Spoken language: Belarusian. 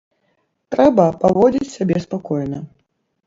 Трэба паводзіць сябе спакойна.